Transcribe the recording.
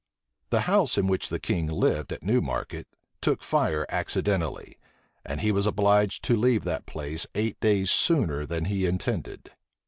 The house in which the king lived at Newmarket, took fire accidentally; and he was obliged to leave that place eight days sooner than he intended.